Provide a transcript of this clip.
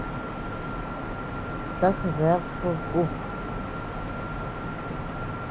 ¿Taka bead jobeku?